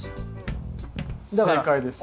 正解です。